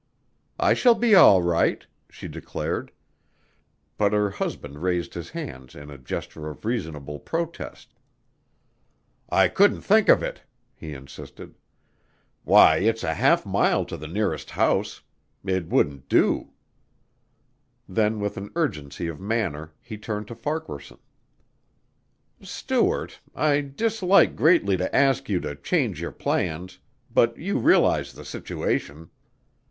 "I shall be all right," she declared, but her husband raised his hands in a gesture of reasonable protest. "I couldn't think of it," he insisted. "Why, it's a half mile to the nearest house. It wouldn't do." Then with an urgency of manner he turned to Farquaharson. "Stuart, I dislike greatly to ask you to change your plans but you realize the situation.